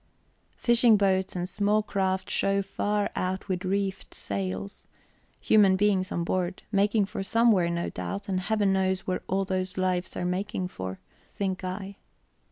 Fishing boats and small craft show far out with reefed sails, human beings on board making for somewhere, no doubt, and Heaven knows where all those lives are making for, think I.